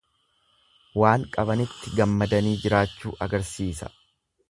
Waan qabanitti gammadanii jiraachuu agarsiisa.